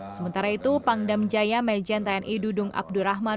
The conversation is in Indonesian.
sementara itu pangdam jaya mejen tni dudung abdurrahman